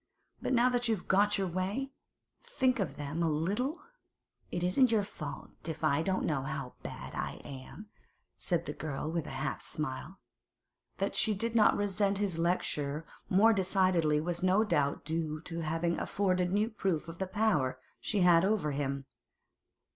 But now you've got your way, think of them a little.' 'It isn't your fault if I don't know how bad I am,' said the girl with a half smile. That she did not resent his lecture more decidedly was no doubt due to its having afforded new proof of the power she had over him.